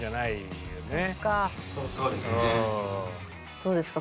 どうですか？